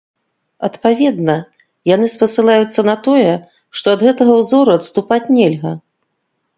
Адпаведна, яны спасылаюцца на тое, што ад гэтага ўзору адступаць нельга.